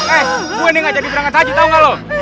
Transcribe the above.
eh gue nih gak jadi berangkat haji tau gak loh